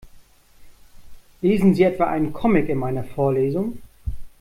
Lesen Sie etwa einen Comic in meiner Vorlesung?